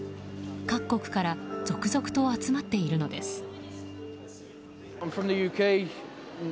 各国から続々と集まっているのです。